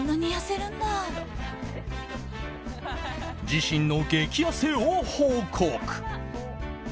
自身の激痩せを報告。